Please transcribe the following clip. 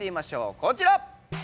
こちら！